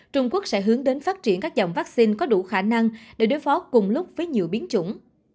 trung quốc sẽ hướng đến phát triển các dòng vaccine có đủ khả năng để đối phó cùng lúc với nhiều biến chủng